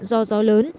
do gió lớn